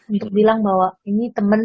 untuk bilang bahwa ini teman